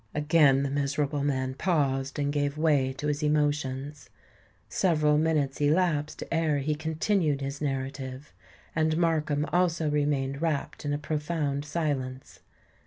Again the miserable man paused, and gave way to his emotions. Several minutes elapsed ere he continued his narrative; and Markham also remained wrapped in a profound silence.